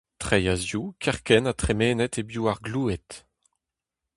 Treiñ a-zehoù kerkent ha tremenet hebiou ar gloued.